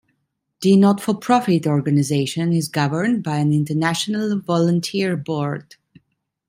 The not-for-profit organization is governed by an international volunteer board.